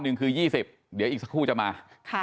หนึ่งคือ๒๐เดี๋ยวอีกสักครู่จะมา